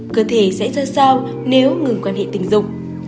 cơ thể sẽ ra sao nếu ngừng quan hệ tình dục